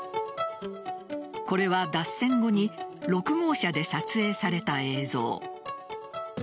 これは脱線後に６号車で撮影された映像。